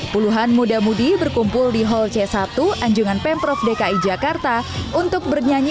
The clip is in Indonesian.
dua ribu dua puluh tiga puluhan muda mudi berkumpul di hall c satu anjungan pemprov dki jakarta untuk bernyanyi